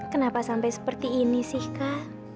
kenapa sampai seperti ini sih kak